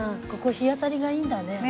ここ日当たりがいいんだね。